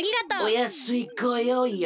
おやすいごようよ！